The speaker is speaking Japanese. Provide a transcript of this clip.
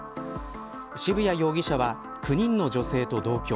渋谷容疑者は９人の女性と同居。